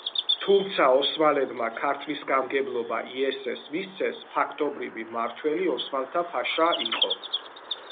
თუმცა ოსმალებმა ქართლის გამგებლობა იესეს მისცეს, ფაქტობრივი მმართველი ოსმალთა ფაშა იყო.